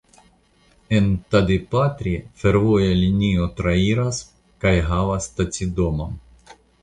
En Tadipatri fervoja linio trairas kaj havas stacidomon.